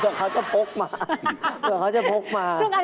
นักกว่าอีกเพื่อนนักกว่าอีกละพ่อ